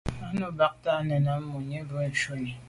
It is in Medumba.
Á nǔm bâdə̀ á nə̀ bàdə̌ mùní bû shúnì.